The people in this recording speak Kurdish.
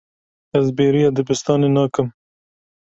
Ez bêriya dibistanê nakim.